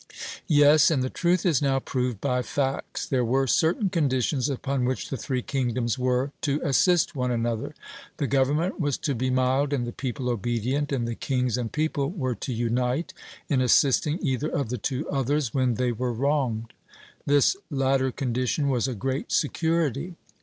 Yes, and the truth is now proved by facts: there were certain conditions upon which the three kingdoms were to assist one another; the government was to be mild and the people obedient, and the kings and people were to unite in assisting either of the two others when they were wronged. This latter condition was a great security.